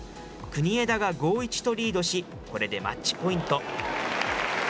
国枝が５ー１とリードし、これでマッチポイント。